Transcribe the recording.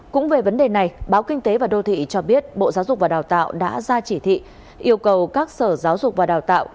cũng về vấn đề này báo kinh tế và đô thị cho biết bộ giáo dục và đào tạo đã ra chỉ thị yêu cầu các sở giáo dục và đào tạo